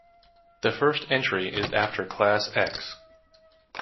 The first entry is after class X.